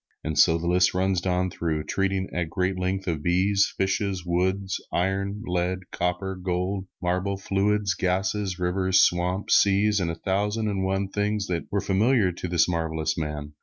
And so the list runs down through, treating at great length of bees, fishes, woods, iron, lead, copper, gold, marble, fluids, gases, rivers, swamps, seas, and a thousand and one things that were familiar to this marvelous man.